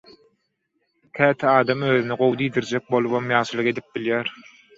Käte adam özüne gowy diýdirjek bolubam ýagşylyk edip bilýär.